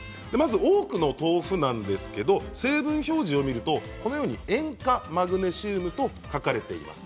多くの豆腐なんですが成分表示を見ると塩化マグネシウムと書かれています。